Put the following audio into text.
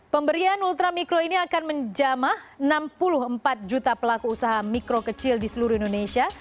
pemberian ultramikro ini akan menjamah enam puluh empat juta pelaku usaha mikro kecil di seluruh indonesia